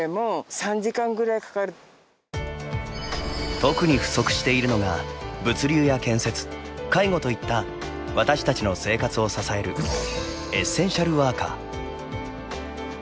特に不足しているのが物流や建設介護といった私たちの生活を支えるエッセンシャルワーカー。